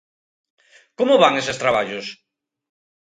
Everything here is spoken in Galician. ¿Como van eses traballos?